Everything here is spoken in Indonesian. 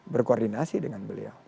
berkoordinasi dengan beliau